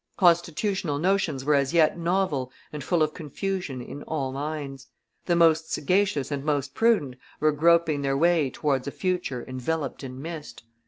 Constitutional notions were as yet novel and full of confusion in all minds. The most sagacious and most prudent were groping their way towards a future enveloped in mist.